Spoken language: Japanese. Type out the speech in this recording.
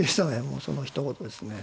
もうそのひと言ですね。